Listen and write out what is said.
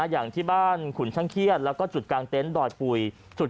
อย่างที่บ้านขุนชังเที่ยดแล้วก็สุดกลางเต็นต์ดอยปุร์ยสุด